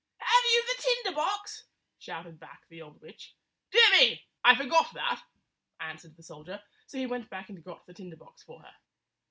"Have you the tinder box?" shouted back the old witch. "Dear me! I forgot that," answered the sol dier; so he went back and got the tinder box for her.